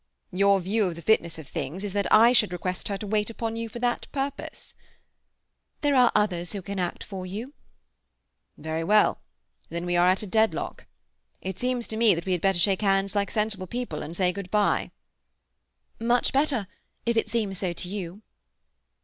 "Your view of the fitness of things is that I should request her to wait upon you for that purpose?" "There are others who can act for you." "Very well. Then we are at a deadlock. It seems to me that we had better shake hands like sensible people, and say good bye." "Much better—if it seems so to you."